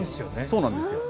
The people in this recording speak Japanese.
そうなんですよ。